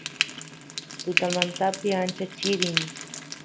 tutamantapi ancha chirin